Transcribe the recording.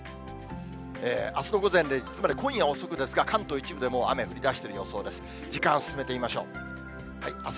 あすの午前０時、つまり今夜遅くですが、関東一部で、もう雨、降りだしてる予想です。